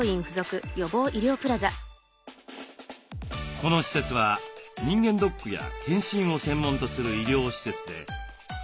この施設は人間ドックや健診を専門とする医療施設で年間５万人が利用しています。